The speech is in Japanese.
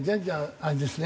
あれですね。